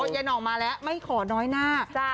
ยายหน่องมาแล้วไม่ขอน้อยหน้า